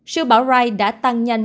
siêu bão rai đã tăng nhanh